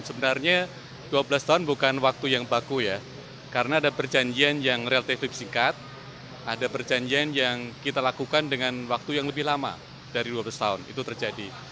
sebenarnya dua belas tahun bukan waktu yang baku ya karena ada perjanjian yang relatif singkat ada perjanjian yang kita lakukan dengan waktu yang lebih lama dari dua belas tahun itu terjadi